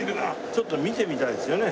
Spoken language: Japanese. ちょっと見てみたいですよね。